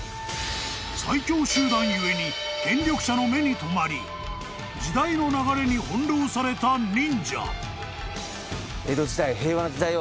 ［最強集団ゆえに権力者の目に留まり時代の流れに翻弄された忍者］